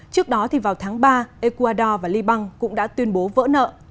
trước đó vào tháng ba ecuador và liban cũng đã tuyên bố vỡ nợ